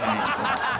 ハハハハ！